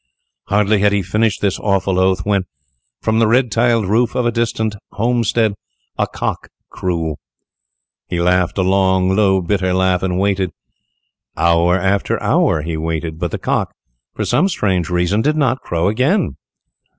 Hardly had he finished this awful oath when, from the red tiled roof of a distant homestead, a cock crew. He laughed a long, low, bitter laugh, and waited. Hour after hour he waited, but the cock, for some strange reason, did not crow again.